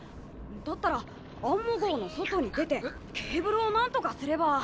だったらアンモ号の外に出てケーブルをなんとかすれば。